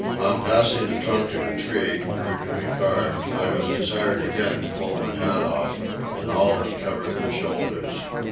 On passing a trunk of a tree, rudely carved, I was desired again to pull my hat off, and all uncovered their shoulders.